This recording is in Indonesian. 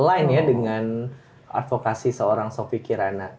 lain ya dengan advokasi seorang sofi kirana